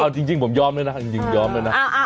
จริงผมยอมด้วยนะจริงยอมด้วยนะ